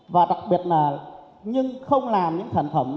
và đặc biệt là nhưng không làm những sản phẩm